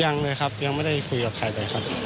ยังเลยครับยังไม่ได้คุยกับใครเลยครับ